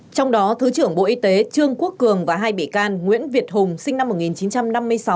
trong đó thứ trưởng bộ y tế trương quốc cường và hai bị can nguyễn việt hùng sinh năm một nghìn chín trăm năm mươi sáu